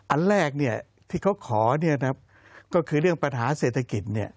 อันแรกที่เขาขอก็คือเรื่องปัญหาเศรษฐกิจ